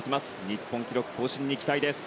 日本記録更新に期待です。